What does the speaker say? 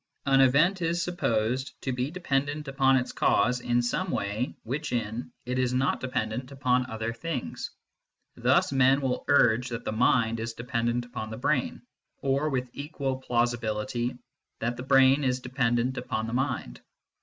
An event is supposed to be dependent upon its cause in some way which in it is not dependent upon other things. Thus men will urge that the mind is dependent upon the brain, or, with equal plausibility, that the brain is dependent upon the mind.